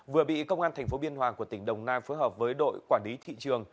vừa bị công an tp biên hòa của tỉnh đồng nai phối hợp với đội quản lý thị trường